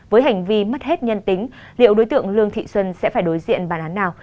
với hành vi mất hết nhân tính liệu đối tượng lương thị xuân sẽ phải đối diện bản án nào